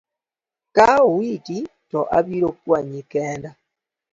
Ka owiti to abiro kwanyi kenda.